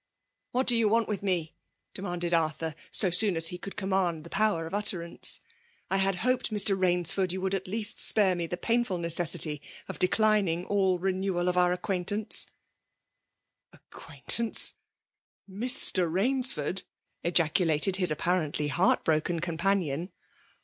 ^* What do you want with me ?"— demanded Arthur, so soon as he could command the power of utterance. '' I had hoped, Mr. Batnsford, you would at least spare me tiie ]^ainful necessity of declining all renewal of our acquaintance/' " Acquaintance I — Mr. Sainsford T — ejacu * lifted his apparently heart broken companion.